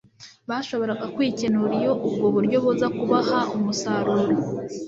bashoboraga kwikenura iyo ubwo buryo buza kubaha umusaruro.